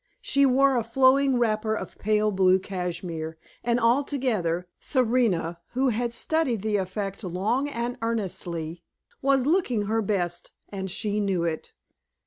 She wore a flowing wrapper of pale blue cashmere, and altogether, Serena, who had studied the effect long and earnestly, was looking her best, and she knew it.